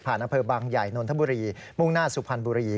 อำเภอบางใหญ่นนทบุรีมุ่งหน้าสุพรรณบุรี